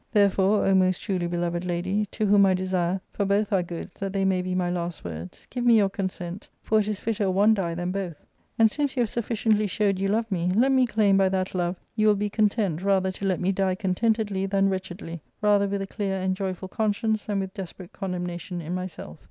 Therefore, O most truly beloved lady, to whom I desire, for both our goods, that they may be my last words, give me your consent, for it is fitter one die than both. And since yoii have sufficiently showed you love me, let me claim by that love you will be content rather to let me die contentedly than wretchedly — rather with a clear and joyful conscience than with desperate condemnation in myself.